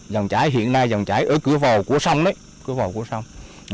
dòng trải hiện nay dòng trải ở cửa vào của sông